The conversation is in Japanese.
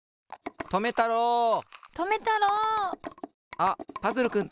あっパズルくんたち。